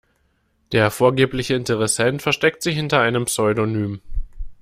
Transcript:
Der vorgebliche Interessent versteckt sich hinter einem Pseudonym.